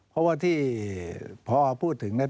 เพราะว่าพอพูดถึงนะ